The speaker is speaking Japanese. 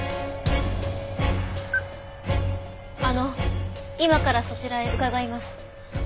あの今からそちらへ伺います。